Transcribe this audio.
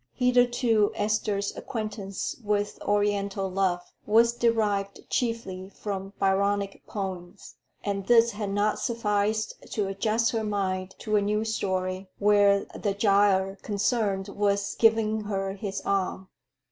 Hitherto Esther's acquaintance with oriental love was derived chiefly from Byronic poems, and this had not sufficed to adjust her mind to a new story, where the Giaour concerned was giving her his arm.